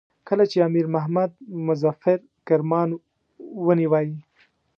کله چې امیر محمد مظفر کرمان ونیوی.